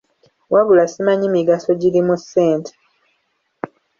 Wabula simanyi migaso giri mu ssente.